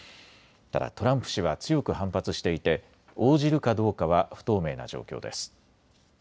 ただ、トランプ氏は強く反発していて応じるかどうかは不透明な状況です。